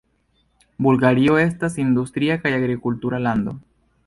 Bulgario estas industria kaj agrikultura lando.